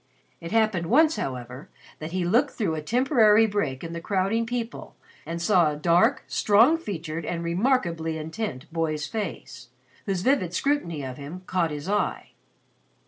It happened once, however, that he looked through a temporary break in the crowding people and saw a dark strong featured and remarkably intent boy's face, whose vivid scrutiny of him caught his eye.